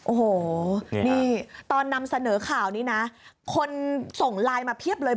โอ้โหนี่ตอนนำเสนอข่าวนี้นะคนส่งไลน์มาเพียบเลย